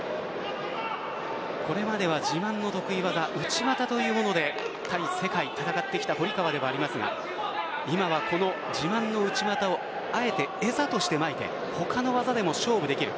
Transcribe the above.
これまでは自慢の得意技内股というもので対世界を戦ってきた堀川ではありますが今は自慢の内股をあえて餌としてまいて他の技でも勝負できる。